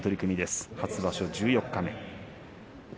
初場所十四日目。